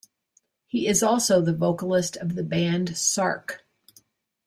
He is also the vocalist of the band Sarke.